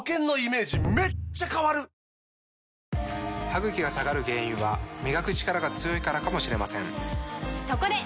歯ぐきが下がる原因は磨くチカラが強いからかもしれませんそこで！